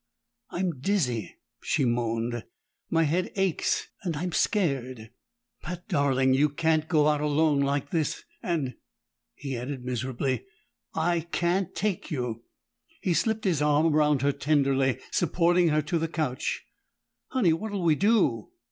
"I'm dizzy," she moaned. "My head aches, and I'm scared!" "Pat, darling! You can't go out alone like this and," he added miserably, "I can't take you!" He slipped his arm around her tenderly, supporting her to the couch. "Honey, what'll we do?"